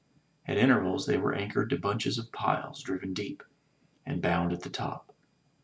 At intervals they were anchored to bunches of piles driven deep, and bound at the top.